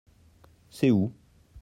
C'est où ?